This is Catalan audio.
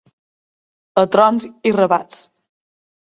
A trons i rebats.